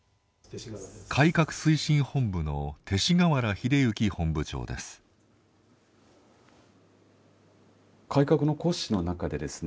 改革推進本部の勅使河原秀行本部長です。